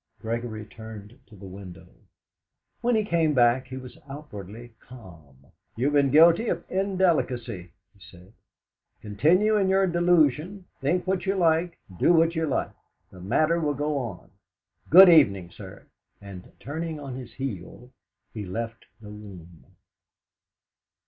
Gregory turned to the window. When he came back he was outwardly calm. "You have been guilty of indelicacy," he said. "Continue in your delusion, think what you like, do what you like. The matter will go on. Good evening, sir." And turning on his heel, he left the room.